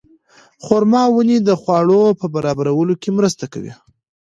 خورما ونې د خواړو په برابرولو کې مرسته کوي.